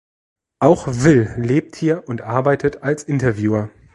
Auch Will lebt hier und arbeitet als „Interviewer“.